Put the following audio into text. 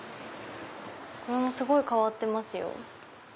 これもすごい変わってますよ。